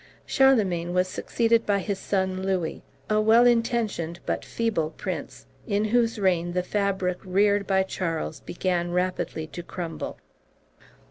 Charlemagne was succeeded by his son Louis, a well intentioned but feeble prince, in whose reign the fabric reared by Charles began rapidly to crumble.